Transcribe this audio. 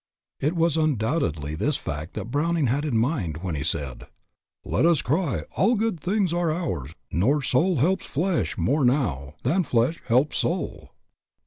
It was undoubtedly this fact that Browning had in mind when he said: "Let us cry 'All good things Are ours, nor soul helps flesh, more now, Than flesh helps soul.'"